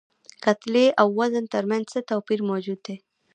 کتلې او وزن تر منځ څه توپیر موجود دی؟